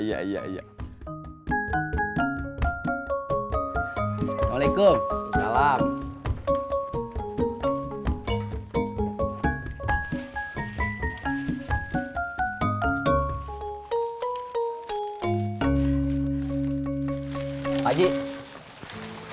apanya kok putus putus